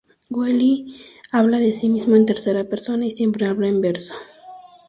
Wheelie habla de sí mismo en tercera persona y siempre habla en verso.